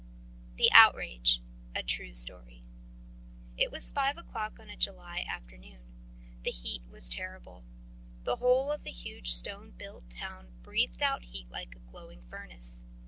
THE OUTRAGE A TRUE STORY BY ALEKSANDR I. KUPRIN It was five o'clock on a July afternoon. The heat was terrible. The whole of the huge stone built town breathed out heat like a glowing furnace.